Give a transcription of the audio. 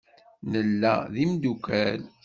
Nella d imeddukal.